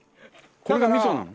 これがみそなの？